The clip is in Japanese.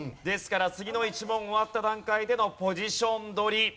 ですから次の１問終わった段階でのポジション取り。